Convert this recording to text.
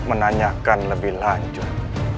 menanyakan lebih lanjut